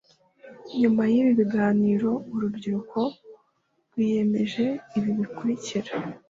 Nyuma y ibi biganiro urubyiruko rwiyemeje ibi bikurikira